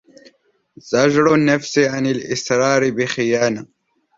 زَجْرُ النَّفْسِ عَنْ الْإِسْرَارِ بِخِيَانَةٍ